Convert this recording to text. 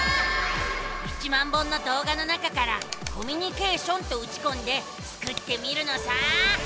１０，０００本のどう画の中から「コミュニケーション」とうちこんでスクってみるのさ！